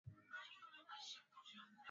ameuchukua bwana haidal kupata